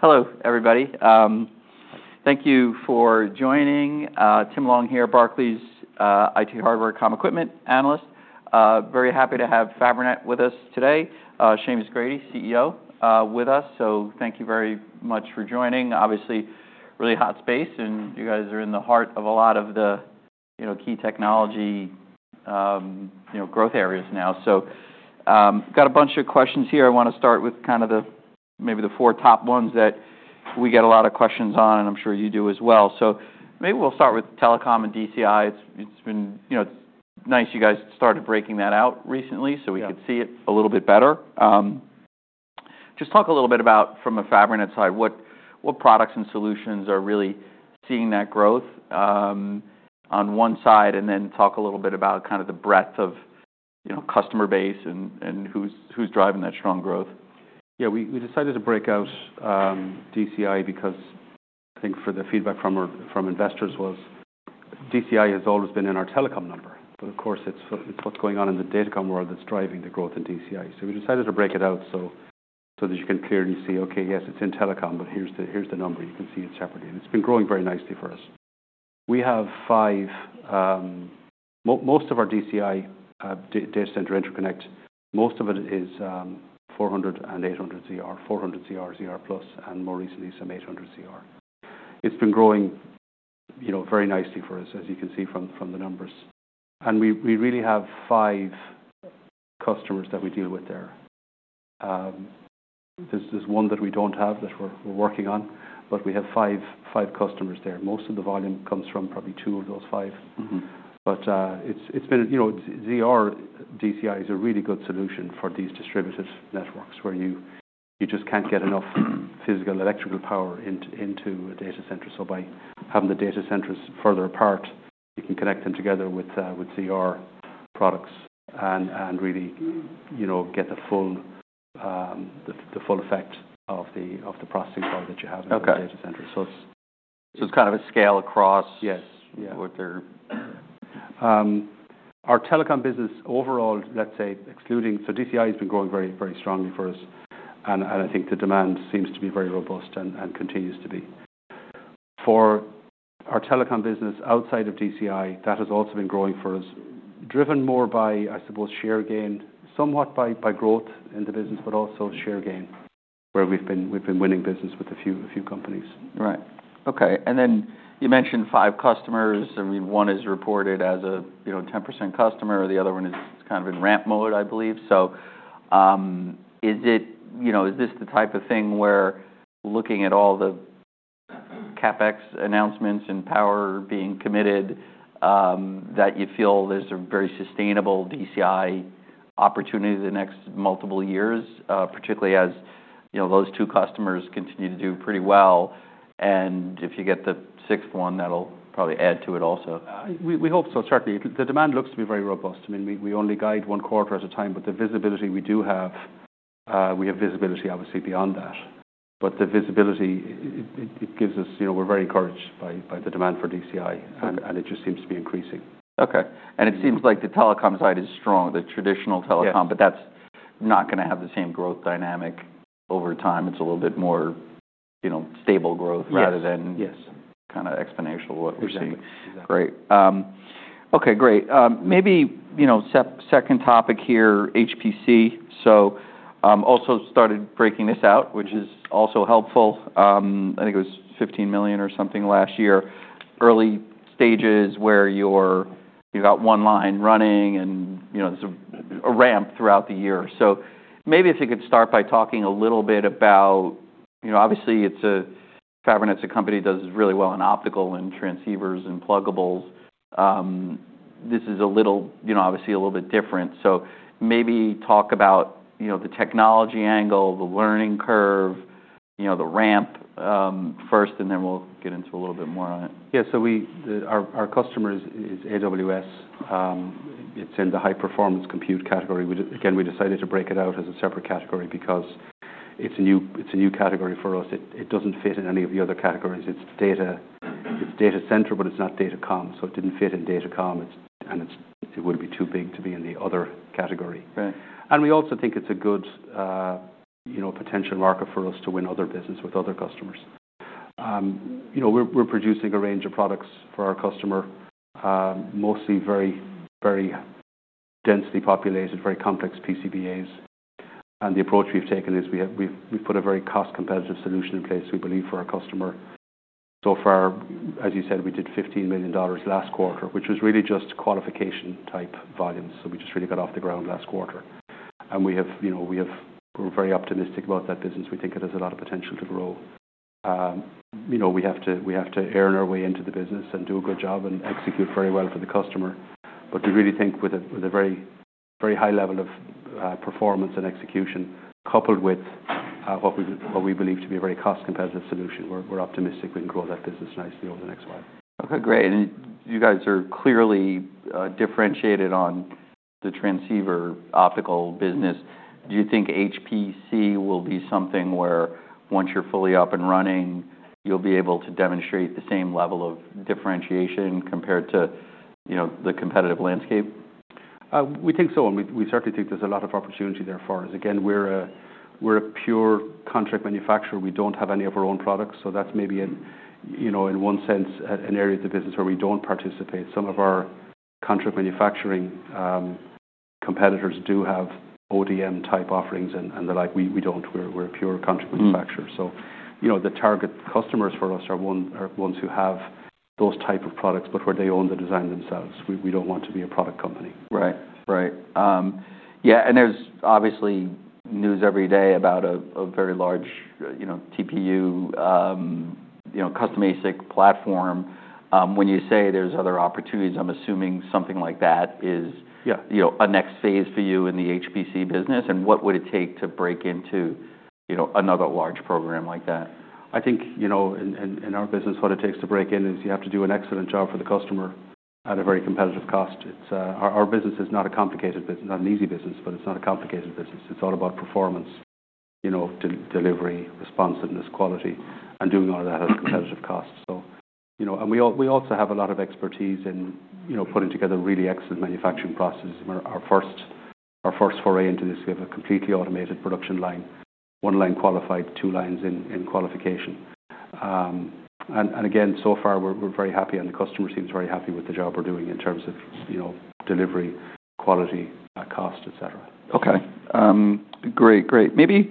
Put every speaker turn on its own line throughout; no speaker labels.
Hello, everybody. Thank you for joining. Tim Long here, Barclays' IT hardware, comms equipment analyst. Very happy to have Fabrinet with us today. Seamus Grady, CEO, with us. So thank you very much for joining. Obviously, really hot space, and you guys are in the heart of a lot of the, you know, key technology, you know, growth areas now. So got a bunch of questions here. I wanna start with kinda the maybe four top ones that we get a lot of questions on, and I'm sure you do as well. So maybe we'll start with telecom and DCI. It's been, you know, it's nice you guys started breaking that out recently. So we could see it a little bit better. Just talk a little bit about, from a Fabrinet side, what products and solutions are really seeing that growth, on one side, and then talk a little bit about kinda the breadth of, you know, customer base and who's driving that strong growth.
Yeah. We decided to break out DCI because I think for the feedback from our investors was DCI has always been in our telecom number. But of course, it's what's going on in the Datacom world that's driving the growth in DCI. So we decided to break it out so that you can clearly see, okay, yes, it's in telecom, but here's the number. You can see it separately. And it's been growing very nicely for us. We have five, most of our DCI, data center interconnect, most of it is 400ZR and 800ZR, 400ZR, ZR Plus, and more recently some 800ZR. It's been growing, you know, very nicely for us, as you can see from the numbers. And we really have five customers that we deal with there. There's one that we don't have that we're working on, but we have five customers there. Most of the volume comes from probably two of those five.
Mm-hmm.
It's been, you know, ZR, DCI is a really good solution for these distributed networks where you just can't get enough physical, electrical power into a data center. So by having the data centers further apart, you can connect them together with ZR products and really, you know, get the full effect of the processing power that you have in the data center.
So it's kind of a scale across.
Yes. Yeah.
What they're.
Our telecom business overall, let's say, excluding, so DCI has been growing very, very strongly for us, and I think the demand seems to be very robust and continues to be. For our telecom business outside of DCI, that has also been growing for us, driven more by, I suppose, share gain, somewhat by growth in the business, but also share gain where we've been winning business with a few companies.
Right. Okay. And then you mentioned five customers. I mean, one is reported as a, you know, 10% customer. The other one is kind of in ramp mode, I believe. So, is it, you know, is this the type of thing where looking at all the CapEx announcements and power being committed, that you feel there's a very sustainable DCI opportunity the next multiple years, particularly as, you know, those two customers continue to do pretty well? And if you get the sixth one, that'll probably add to it also.
We hope so, certainly. The demand looks to be very robust. I mean, we only guide one quarter at a time, but the visibility we do have, obviously, beyond that. But the visibility it gives us, you know, we're very encouraged by the demand for DCI. It just seems to be increasing.
Okay. And it seems like the telecom side is strong, the traditional telecom.
Yeah.
But that's not gonna have the same growth dynamic over time. It's a little bit more, you know, stable growth.
Yes.
Rather than kinda exponential, what we're seeing.
Exactly.
Great. Okay. Great. Maybe, you know, second topic here, HPC, so also started breaking this out, which is also helpful. I think it was $15 million or something last year, early stages where you're, you got one line running and, you know, there's a ramp throughout the year, so maybe if you could start by talking a little bit about, you know, obviously, it's a Fabrinet's a company that does really well in optical and transceivers and pluggables. This is a little, you know, obviously, a little bit different, so maybe talk about, you know, the technology angle, the learning curve, you know, the ramp first, and then we'll get into a little bit more on it.
Yeah. So our customer is AWS. It's in the high-performance compute category. We decided to break it out as a separate category because it's a new category for us. It doesn't fit in any of the other categories. It's data center, but it's not Datacom. So it didn't fit in Datacom. It would be too big to be in the other category.
Right.
And we also think it's a good, you know, potential market for us to win other business with other customers. You know, we're producing a range of products for our customer, mostly very, very densely populated, very complex PCBAs. And the approach we've taken is we've put a very cost-competitive solution in place, we believe, for our customer. So far, as you said, we did $15 million last quarter, which was really just qualification-type volumes. So we just really got off the ground last quarter. And you know, we're very optimistic about that business. We think it has a lot of potential to grow. You know, we have to earn our way into the business and do a good job and execute very well for the customer. But we really think with a very, very high level of performance and execution coupled with what we believe to be a very cost-competitive solution, we're optimistic we can grow that business nicely over the next while.
Okay. Great. And you guys are clearly differentiated on the transceiver optical business. Do you think HPC will be something where once you're fully up and running, you'll be able to demonstrate the same level of differentiation compared to, you know, the competitive landscape?
We think so. And we certainly think there's a lot of opportunity there for us. Again, we're a pure contract manufacturer. We don't have any of our own products. So that's maybe an, you know, in one sense, an area of the business where we don't participate. Some of our contract manufacturing competitors do have ODM-type offerings and the like. We don't. We're a pure contract manufacturer.
Mm-hmm.
You know, the target customers for us are ones who have those type of products, but where they own the design themselves. We don't want to be a product company.
Right. Right. Yeah. And there's obviously news every day about a very large, you know, TPU, you know, custom ASIC platform. When you say there's other opportunities, I'm assuming something like that is.
Yeah.
You know, a next phase for you in the HPC business. And what would it take to break into, you know, another large program like that?
I think, you know, in our business, what it takes to break in is you have to do an excellent job for the customer at a very competitive cost. It's our business is not a complicated business, not an easy business, but it's not a complicated business. It's all about performance, you know, delivery, responsiveness, quality, and doing all of that at a competitive cost. So, you know, and we also have a lot of expertise in, you know, putting together really excellent manufacturing processes. We're our first foray into this. We have a completely automated production line, one line qualified, two lines in qualification, and again, so far, we're very happy, and the customer seems very happy with the job we're doing in terms of, you know, delivery, quality, cost, etc.
Okay. Great. Great. Maybe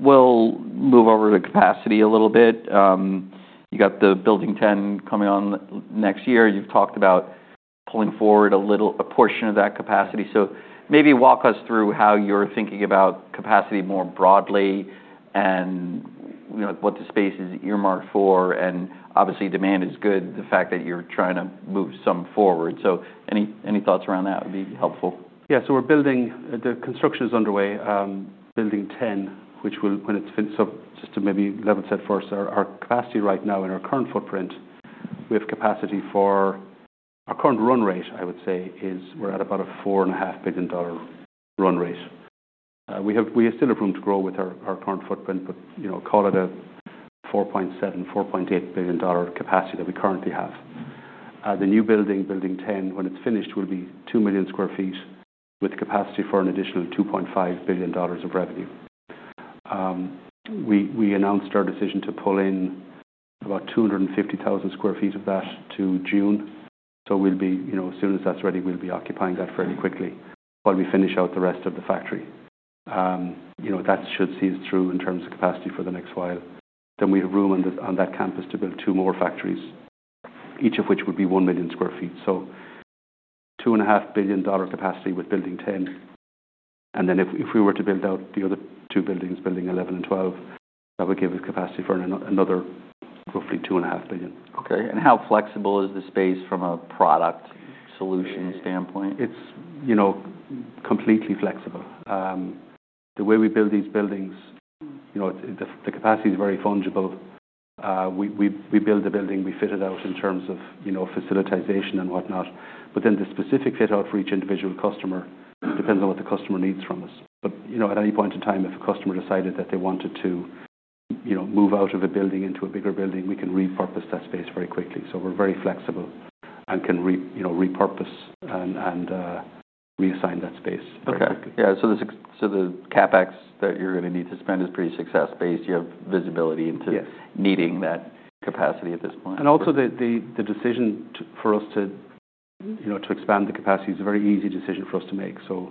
we'll move over to capacity a little bit. You got the Building 10 coming on next year. You've talked about pulling forward a little a portion of that capacity. So maybe walk us through how you're thinking about capacity more broadly and, you know, what the space is earmarked for. And obviously, demand is good, the fact that you're trying to move some forward. So any thoughts around that would be helpful.
Yeah. So the construction is underway, Building 10, which will, when it's finished. So just to maybe level set first, our capacity right now in our current footprint, we have capacity for our current run rate, I would say. We're at about a $4.5 billion run rate. We still have room to grow with our current footprint, but, you know, call it a $4.7 billion-$4.8 billion capacity that we currently have. The new building, Building 10, when it's finished, will be 2 million sq ft with capacity for an additional $2.5 billion of revenue. We announced our decision to pull in about 250,000 sq ft of that to June. So we'll be, you know, as soon as that's ready, we'll be occupying that fairly quickly while we finish out the rest of the factory. You know, that should see us through in terms of capacity for the next while. Then we have room on that campus to build two more factories, each of which would be 1 million sq ft. So $2.5 billion capacity with Building 10. And then if we were to build out the other two buildings, Building 11 and 12, that would give us capacity for another roughly $2.5 billion.
Okay. And how flexible is the space from a product solution standpoint?
It's, you know, completely flexible. The way we build these buildings, you know, it's the capacity is very fungible. We build the building, we fit it out in terms of, you know, facilitation and whatnot. But then the specific fit out for each individual customer depends on what the customer needs from us. But, you know, at any point in time, if a customer decided that they wanted to, you know, move out of a building into a bigger building, we can repurpose that space very quickly. So we're very flexible and can, you know, repurpose and reassign that space very quickly.
Okay. Yeah. So the CapEx that you're gonna need to spend is pretty success-based. You have visibility into.
Yes.
Needing that capacity at this point.
And also the decision for us to, you know, to expand the capacity is a very easy decision for us to make. So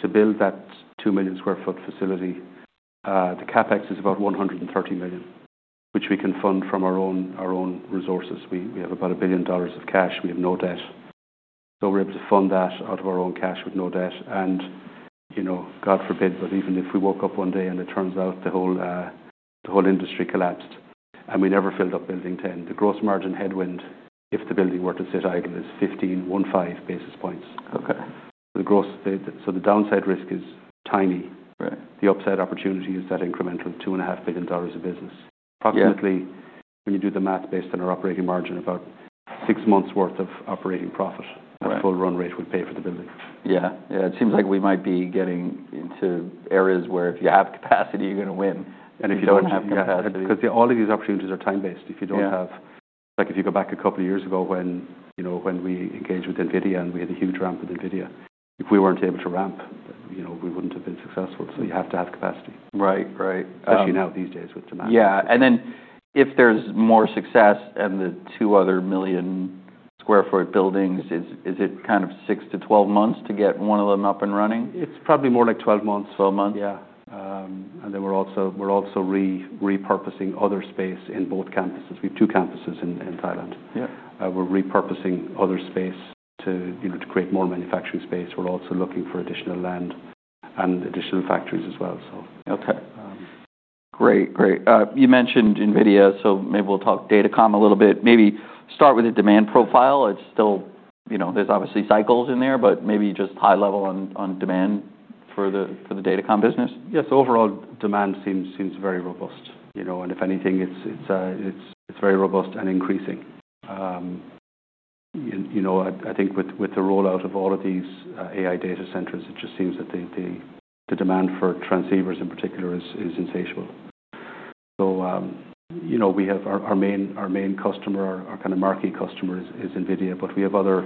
to build that 2 million sq ft facility, the CapEx is about $130 million, which we can fund from our own resources. We have about $1 billion of cash. We have no debt. So we're able to fund that out of our own cash with no debt. And, you know, God forbid, but even if we woke up one day and it turns out the whole industry collapsed and we never filled up Building 10, the gross margin headwind, if the building were to sit idle, is 15 basis points.
Okay.
So the gross downside risk is tiny.
Right.
The upside opportunity is that incremental $2.5 billion of business, approximately.
Yeah.
When you do the math based on our operating margin, about six months' worth of operating profit.
Right.
A full run rate would pay for the building.
Yeah. Yeah. It seems like we might be getting into areas where if you have capacity, you're gonna win.
If you don't have capacity. Because all of these opportunities are time-based. If you don't have.
Yeah.
Like if you go back a couple of years ago when, you know, when we engaged with NVIDIA and we had a huge ramp with NVIDIA, if we weren't able to ramp, you know, we wouldn't have been successful. So you have to have capacity.
Right. Right.
Especially now these days with demand.
Yeah, and then if there's more success and the two other million sq ft buildings, is it kind of 6-12 months to get one of them up and running?
It's probably more like 12 months, 12 months.
Yeah.
And then we're also repurposing other space in both campuses. We have two campuses in Thailand.
Yeah.
We're repurposing other space to, you know, to create more manufacturing space. We're also looking for additional land and additional factories as well, so.
Okay. Great. Great. You mentioned NVIDIA. So maybe we'll talk Datacom a little bit. Maybe start with the demand profile. It's still, you know, there's obviously cycles in there, but maybe just high level on demand for the Datacom business.
Yes. Overall, demand seems very robust, you know, and if anything, it's very robust and increasing. You know, I think with the rollout of all of these AI data centers, it just seems that the demand for transceivers in particular is insatiable. So, you know, we have our main customer, our kinda marquee customer is NVIDIA, but we have other,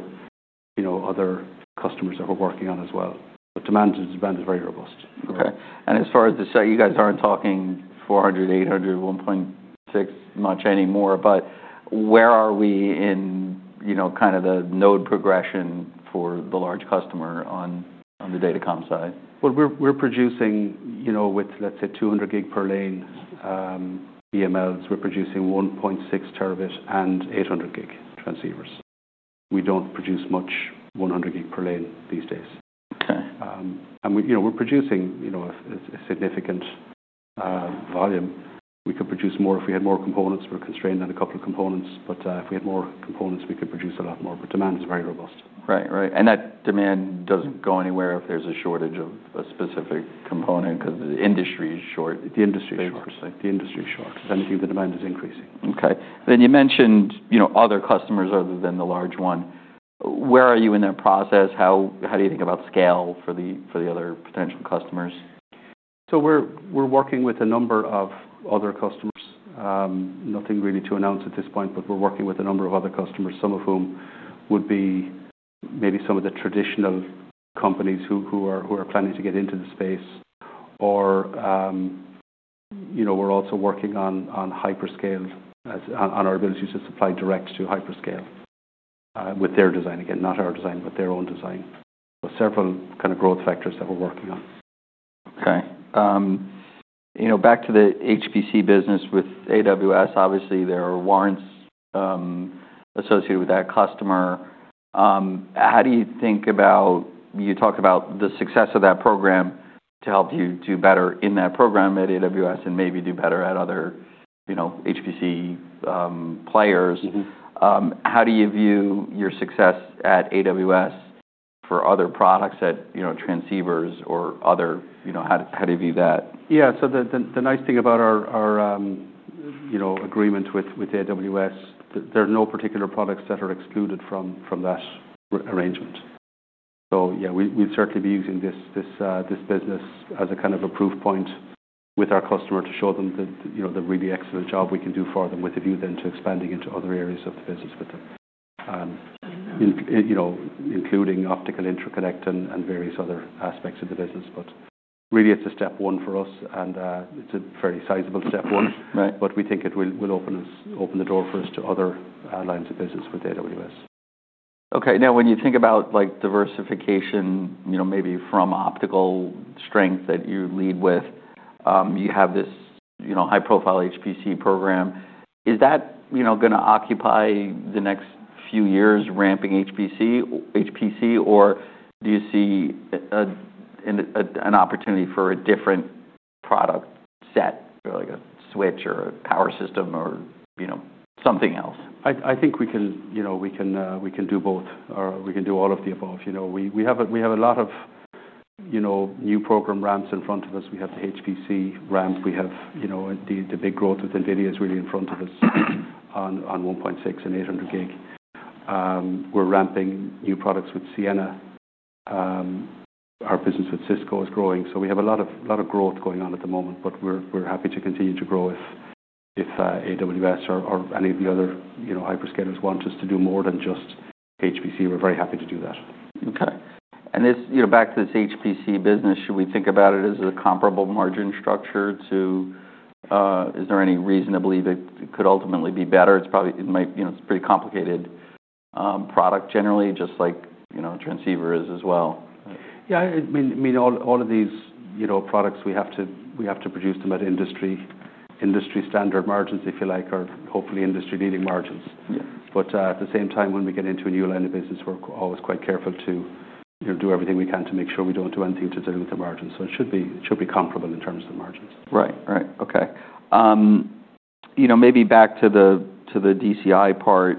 you know, other customers that we're working on as well. But demand is very robust.
Okay. And as far as the ZRs you guys aren't talking 400G, 800G, 1.6T much anymore, but where are we in, you know, kinda the node progression for the large customer on the Datacom side?
We're producing, you know, let's say, 200G per lane EMLs. We're producing 1.6T and 800G transceivers. We don't produce much 100G per lane these days.
Okay.
And we, you know, we're producing, you know, a significant volume. We could produce more if we had more components. We're constrained on a couple of components. But if we had more components, we could produce a lot more. But demand is very robust.
Right. Right. And that demand doesn't go anywhere if there's a shortage of a specific component 'cause the industry is short.
The industry is short. The industry is short. If anything, the demand is increasing.
Okay. Then you mentioned, you know, other customers other than the large one. Where are you in that process? How do you think about scale for the other potential customers?
So we're working with a number of other customers. Nothing really to announce at this point, but we're working with a number of other customers, some of whom would be maybe some of the traditional companies who are planning to get into the space. Or, you know, we're also working on hyperscale, on our abilities to supply direct to hyperscale, with their design, again, not our design, but their own design. So several kinda growth factors that we're working on.
Okay. You know, back to the HPC business with AWS, obviously, there are warrants associated with that customer. How do you think about you talked about the success of that program to help you do better in that program at AWS and maybe do better at other, you know, HPC players.
Mm-hmm.
How do you view your success at AWS for other products at, you know, transceivers or other, you know, how, how do you view that?
Yeah. So the nice thing about our agreement with AWS, there are no particular products that are excluded from that arrangement. So, yeah, we'd certainly be using this business as a kind of a proof point with our customer to show them that, you know, the really excellent job we can do for them with a view then to expanding into other areas of the business with them in, you know, including optical interconnect and various other aspects of the business. But really, it's a step one for us, and it's a fairly sizable step one.
Right.
But we think it will open the door for us to other lines of business with AWS.
Okay. Now, when you think about, like, diversification, you know, maybe from optical strength that you lead with, you have this, you know, high-profile HPC program. Is that, you know, gonna occupy the next few years ramping HPC, or do you see an opportunity for a different product set or, like, a switch or a power system or, you know, something else?
I think we can, you know, we can do both, or we can do all of the above. You know, we have a lot of, you know, new program ramps in front of us. We have the HPC ramp. You know, the big growth with NVIDIA is really in front of us on 1.6T and 800G. We're ramping new products with Ciena. Our business with Cisco is growing. So we have a lot of growth going on at the moment, but we're happy to continue to grow if AWS or any of the other, you know, hyperscalers want us to do more than just HPC. We're very happy to do that.
Okay. And this, you know, back to this HPC business, should we think about it as a comparable margin structure to, is there any reason to believe it could ultimately be better? It's probably, it might, you know, it's a pretty complicated product generally, just like, you know, a transceiver is as well.
Yeah. I mean, all of these, you know, products, we have to produce them at industry standard margins, if you like, or hopefully industry-leading margins.
Yeah.
But, at the same time, when we get into a new line of business, we're always quite careful to, you know, do everything we can to make sure we don't do anything to dilute the margins. So it should be comparable in terms of margins.
Right. Okay. You know, maybe back to the DCI part,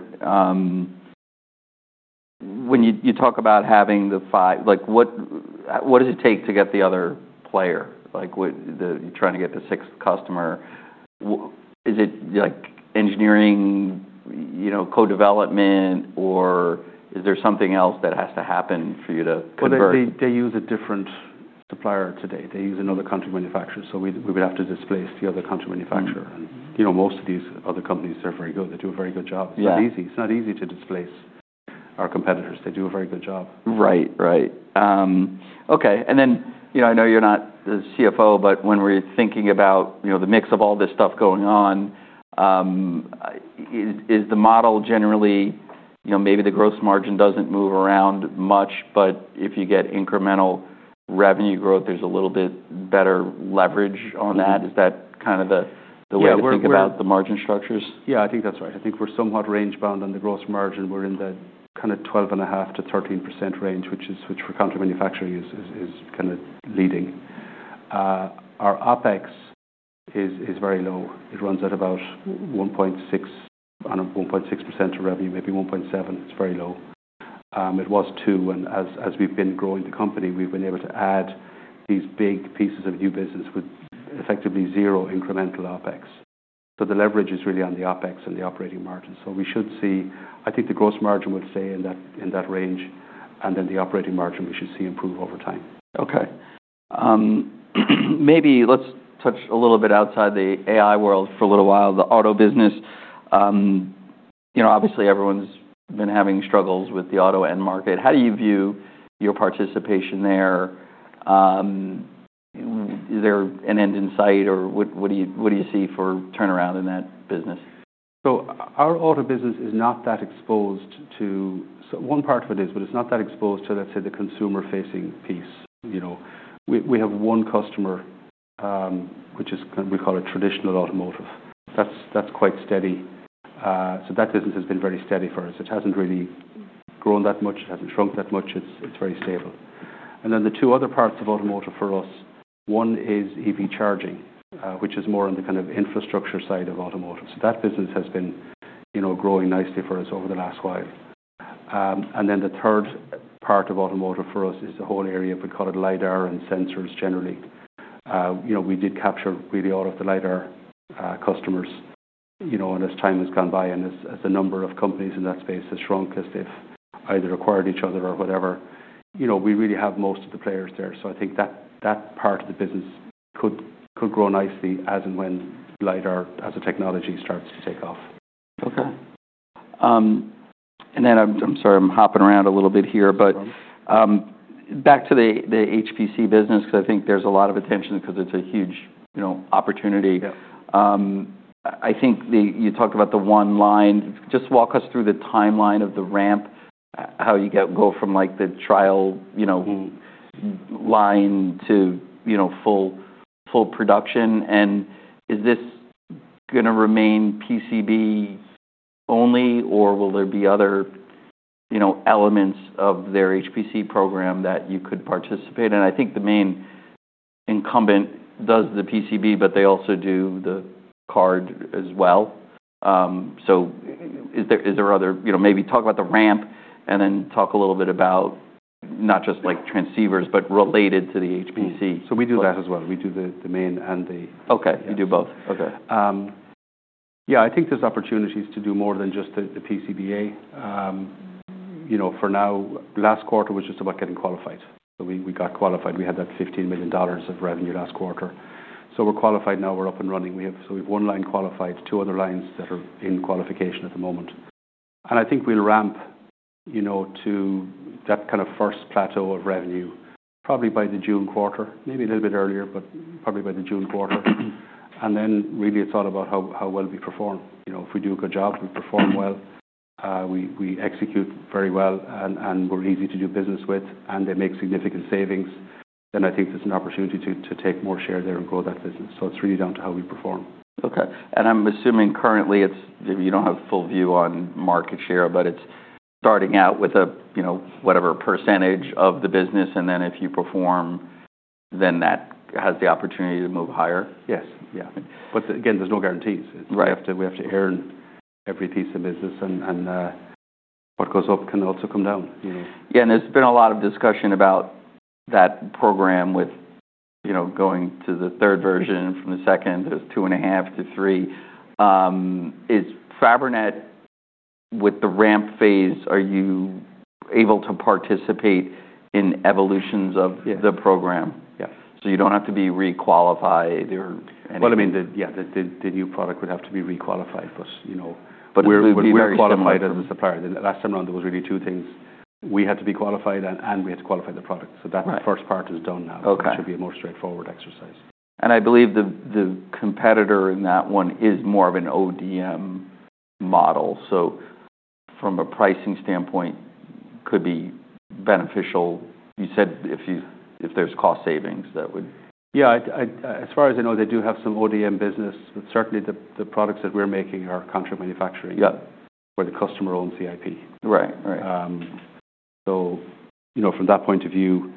when you talk about having the five, like, what does it take to get the other player? Like, what you're trying to get the sixth customer. What is it, like, engineering, you know, co-development, or is there something else that has to happen for you to convert?
They use a different supplier today. They use another contract manufacturer. So we would have to displace the other contract manufacturer. And, you know, most of these other companies, they're very good. They do a very good job.
Yeah.
It's not easy. It's not easy to displace our competitors. They do a very good job.
Right. Right. Okay. And then, you know, I know you're not the CFO, but when we're thinking about, you know, the mix of all this stuff going on, is the model generally, you know, maybe the gross margin doesn't move around much, but if you get incremental revenue growth, there's a little bit better leverage on that? Is that kinda the way to think about the margin structures?
Yeah. I think that's right. I think we're somewhat range-bound on the gross margin. We're in the kinda 12.5%-13% range, which, for country manufacturing, is kinda leading. Our OpEx is very low. It runs at about 1.6% of revenue, maybe 1.7%. It's very low. It was 2%. And as we've been growing the company, we've been able to add these big pieces of new business with effectively zero incremental OpEx. So the leverage is really on the OpEx and the operating margin. So we should see I think the gross margin would stay in that range. And then the operating margin, we should see improve over time.
Okay. Maybe let's touch a little bit outside the AI world for a little while, the auto business. You know, obviously, everyone's been having struggles with the auto end market. How do you view your participation there? Is there an end in sight, or what? What do you see for turnaround in that business?
So our auto business is not that exposed to, so one part of it is, but it's not that exposed to, let's say, the consumer-facing piece, you know. We have one customer, which is kinda, we call it traditional automotive. That's quite steady, so that business has been very steady for us. It hasn't really grown that much. It hasn't shrunk that much. It's very stable, and then the two other parts of automotive for us, one is EV charging, which is more on the kind of infrastructure side of automotive, so that business has been, you know, growing nicely for us over the last while, and then the third part of automotive for us is the whole area, we call it LiDAR and sensors generally. You know, we did capture really all of the LiDAR customers, you know, and as time has gone by and as the number of companies in that space has shrunk as they've either acquired each other or whatever, you know, we really have most of the players there, so I think that part of the business could grow nicely as and when LiDAR as a technology starts to take off.
Okay, and then I'm sorry, I'm hopping around a little bit here, but back to the HPC business 'cause I think there's a lot of attention 'cause it's a huge, you know, opportunity.
Yeah.
I think you talked about the one line. Just walk us through the timeline of the ramp, how you go from, like, the trial, you know.
Mm-hmm.
Ramping to, you know, full production, and is this gonna remain PCB only, or will there be other, you know, elements of their HPC program that you could participate in? I think the main incumbent does the PCB, but they also do the card as well, so is there other, you know, maybe talk about the ramp and then talk a little bit about not just, like, transceivers, but related to the HPC.
We do that as well. We do the main and the.
Okay. You do both.
Yeah, I think there's opportunities to do more than just the PCBA. You know, for now, last quarter was just about getting qualified. So we got qualified. We had that $15 million of revenue last quarter. So we're qualified now. We're up and running. We have one line qualified, two other lines that are in qualification at the moment. And I think we'll ramp, you know, to that kinda first plateau of revenue probably by the June quarter, maybe a little bit earlier, but probably by the June quarter. And then really, it's all about how well we perform. You know, if we do a good job, we perform well, we execute very well, and we're easy to do business with, and they make significant savings, then I think there's an opportunity to take more share there and grow that business. So it's really down to how we perform.
Okay. And I'm assuming currently it's maybe you don't have full view on market share, but it's starting out with a, you know, whatever percentage of the business, and then if you perform, then that has the opportunity to move higher?
Yes. Yeah, but again, there's no guarantees.
Right.
We have to earn every piece of business, and what goes up can also come down, you know.
Yeah, and there's been a lot of discussion about that program with, you know, going to the third version from the second. There's 2.5-3. Is Fabrinet, with the ramp phase, are you able to participate in evolutions of the program?
Yeah.
So you don't have to be requalified or anything?
I mean, the new product would have to be requalified for, you know. But we're qualified as a supplier. The last time around, there was really two things. We had to be qualified, and we had to qualify the product. So that first part is done now. It should be a more straightforward exercise.
And I believe the competitor in that one is more of an ODM model. So from a pricing standpoint, could be beneficial. You said if there's cost savings, that would.
Yeah. As far as I know, they do have some ODM business, but certainly the products that we're making are contract manufacturing.
Yeah.
Where the customer owns the IP.
Right. Right.
So, you know, from that point of view,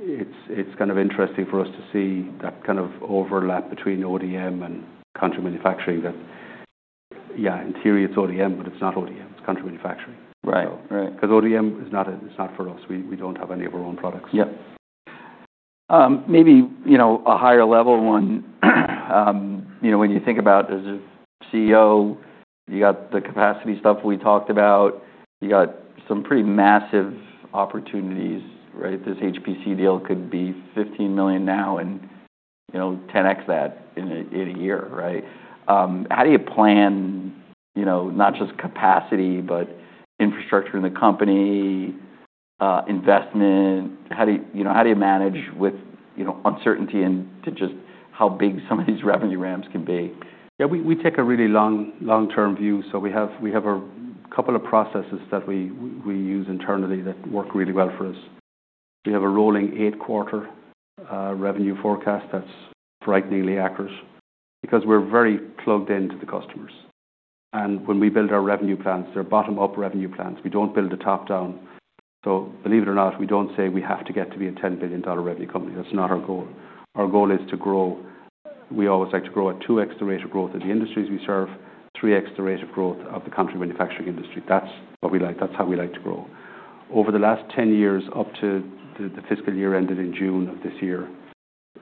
it's kind of interesting for us to see that kind of overlap between ODM and contract manufacturing. Yeah, in theory, it's ODM, but it's not ODM. It's contract manufacturing.
Right. Right.
So, 'cause ODM is not. It's not for us. We don't have any of our own products.
Yeah. Maybe, you know, a higher-level one, you know, when you think about as a CEO, you got the capacity stuff we talked about. You got some pretty massive opportunities, right? This HPC deal could be $15 million now and, you know, 10x that in a year, right? How do you plan, you know, not just capacity, but infrastructure in the company, investment? How do you, you know, how do you manage with, you know, uncertainty and to just how big some of these revenue ramps can be?
Yeah. We take a really long-term view, so we have a couple of processes that we use internally that work really well for us. We have a rolling eight-quarter revenue forecast that's frighteningly accurate because we're very plugged into the customers, and when we build our revenue plans, they're bottom-up revenue plans. We don't build the top-down, so believe it or not, we don't say we have to get to be a $10 billion revenue company. That's not our goal. Our goal is to grow. We always like to grow at 2x the rate of growth of the industries we serve, 3x the rate of growth of the country manufacturing industry. That's what we like. That's how we like to grow. Over the last 10 years, up to the fiscal year ended in June of this year,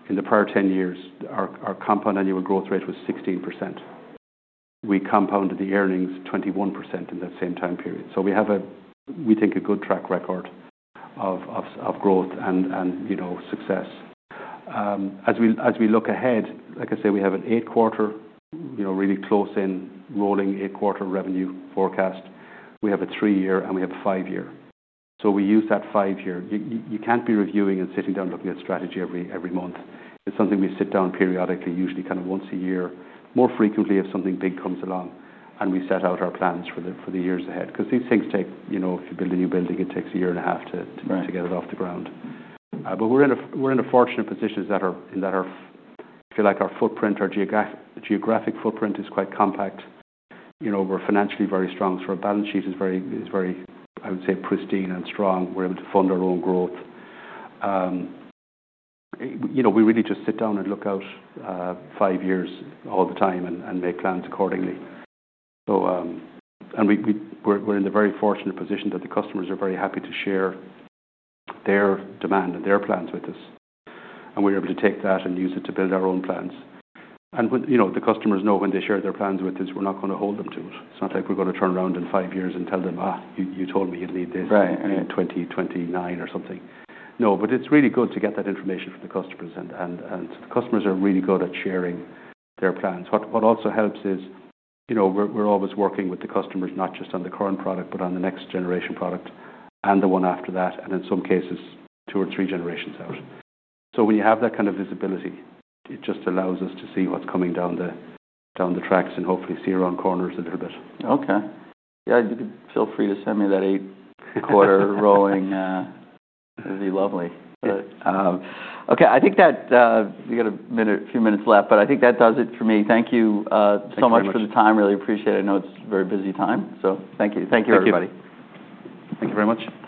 in the prior 10 years, our compound annual growth rate was 16%. We compounded the earnings 21% in that same time period. So we have, we think, a good track record of growth and, you know, success. As we look ahead, like I say, we have an eight-quarter, you know, really close-in rolling eight-quarter revenue forecast. We have a three-year, and we have a five-year. So we use that five-year. You can't be reviewing and sitting down looking at strategy every month. It's something we sit down periodically, usually kinda once a year, more frequently if something big comes along, and we set out our plans for the years ahead 'cause these things take, you know, if you build a new building, it takes a year and a half to.
Right.
To get it off the ground, but we're in a fortunate position that our, I feel like, our footprint, our geographic footprint is quite compact. You know, we're financially very strong, so our balance sheet is very, I would say, pristine and strong. We're able to fund our own growth. You know, we really just sit down and look out five years all the time and make plans accordingly, so we're in the very fortunate position that the customers are very happy to share their demand and their plans with us, and we're able to take that and use it to build our own plans, and, you know, the customers know when they share their plans with us, we're not gonna hold them to it. It's not like we're gonna turn around in five years and tell them you told me you'd need this.
Right.
In 2029 or something. No, but it's really good to get that information from the customers and so the customers are really good at sharing their plans. What also helps is, you know, we're always working with the customers, not just on the current product, but on the next generation product and the one after that, and in some cases, two or three generations out, so when you have that kind of visibility, it just allows us to see what's coming down the tracks and hopefully see around corners a little bit.
Okay. Yeah. You could feel free to send me that eight-quarter rolling. That'd be lovely. Okay. I think that we got a minute, a few minutes left, but I think that does it for me. Thank you so much for the time. Really appreciate it. I know it's a very busy time. So thank you. Thank you, everybody.
Thank you. Thank you very much.
Thanks, everyone. Take care.
Thank you.